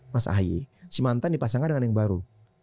mas ahaye si mantan dipasangkan dengan yang baru